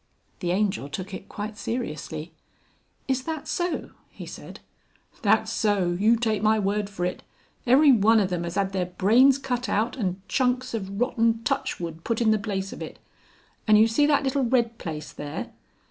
The Angel took it quite seriously. "Is that so?" he said. "That's so you take my word for it. Everyone of them 'as 'ad their brains cut out and chunks of rotten touchwood put in the place of it. And you see that little red place there?"